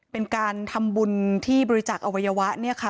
เป็นการทำบุญที่บริจักษ์อวัยวะเนี่ยค่ะ